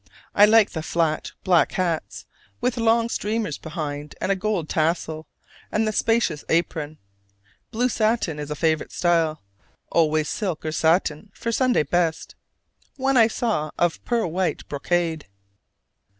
I like the flat, black hats with long streamers behind and a gold tassel, and the spacious apron. Blue satin is a favorite style, always silk or satin for Sunday best: one I saw of pearl white brocade.